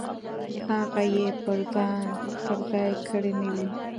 هغه یې پر ځای کړې نه وي.